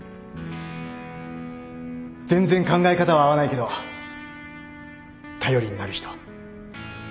全然考え方は合わないけど頼りになる人。